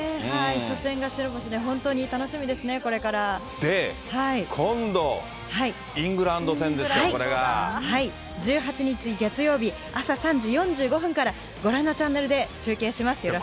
初戦が白星で本で、今度、イングランド戦ですよ、１８日月曜日朝３時４５分から、ご覧のチャンネルで中継します。